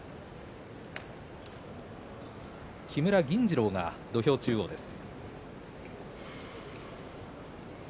木村銀治郎が土俵中央です。